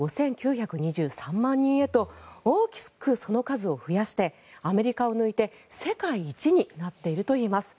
４億５９２３万人へと大きくその数を増やしてアメリカを抜いて世界一になっているといいます。